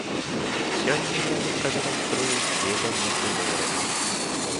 Сёння яны прадэманструюць веданне тэорыі.